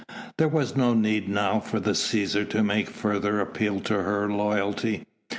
There was no need now for the Cæsar to make further appeal to her loyalty.